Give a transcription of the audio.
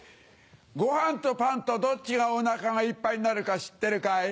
ご飯とパンとどっちがお腹がいっぱいになるか知ってるかい？